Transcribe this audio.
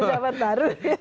pejabat baru gitu